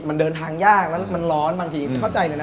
มันเดินทางยากแล้วมันร้อนบางทีเข้าใจเลยนะ